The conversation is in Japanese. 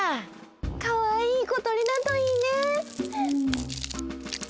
かわいい小とりだといいね。